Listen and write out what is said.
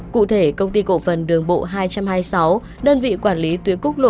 cụ thể công ty cổ phần đường bộ hai trăm hai mươi sáu đơn vị quản lý tuyến quốc lộ hai trăm bảy mươi chín